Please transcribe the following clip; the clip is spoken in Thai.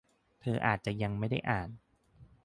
เธออาจจะยังไม่ได้อ่าน